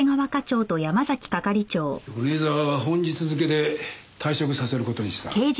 米沢は本日付で退職させる事にした。